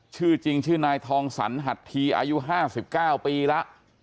ชื่อจริงชื่อนายทองศรรถฮัฏธีอายุถบิละ